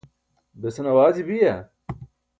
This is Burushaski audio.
besan awaaji biya?